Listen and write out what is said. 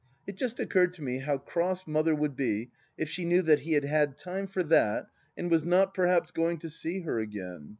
It just occurred to me how cross Mother would be if she knew that he had had time for that and was not perhaps going to see her again.